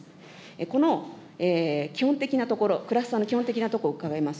この基本的なところ、クラスターの基本的なところを伺います。